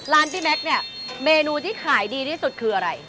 พี่แม็กซ์เนี่ยเมนูที่ขายดีที่สุดคืออะไร